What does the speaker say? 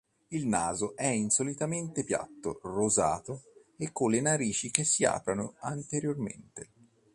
Il naso è insolitamente piatto, rosato e con le narici che si aprono anteriormente.